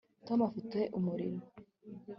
tom afite umuriro